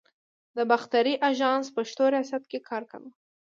د باختر آژانس پښتو ریاست کې کار کاوه.